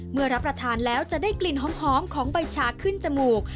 รับประทานแล้วจะได้กลิ่นหอมของใบชาขึ้นจมูก